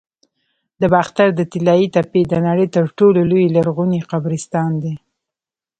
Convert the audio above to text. د باختر د طلایی تپې د نړۍ تر ټولو لوی لرغوني قبرستان دی